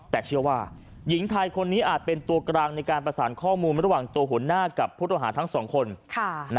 แต่เชื่อว่าหญิงไทยคนนี้อาจเป็นตัวกลางในการประสานข้อมูลระหว่างตัวหัวหน้ากับผู้ต้องหาทั้งสองคน